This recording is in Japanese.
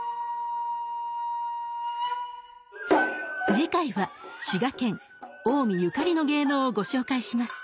次回は滋賀県・近江ゆかりの芸能をご紹介します。